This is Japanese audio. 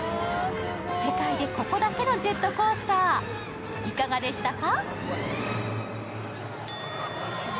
世界でここだけのジェットコースター、いかがでしたか？